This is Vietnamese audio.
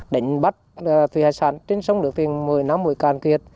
đánh bắt thuyền hải sản trên sông được tiền một mươi năm mới can kiệt